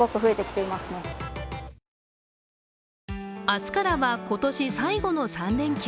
明日からは今年最後の３連休。